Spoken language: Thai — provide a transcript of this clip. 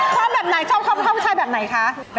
ชอบแบบไหนชอบต้องถ้าผู้ชายแบบไหนคะ